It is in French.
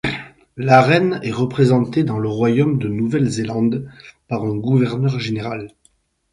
La reine est représentée dans le royaume de Nouvelle-Zélande par un gouverneur général.